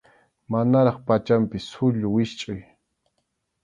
Manaraq pachanpi sullu wischʼuy.